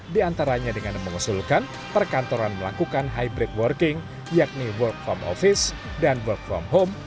di antaranya dengan mengusulkan perkantoran melakukan hybrid working yakni work from office dan work from home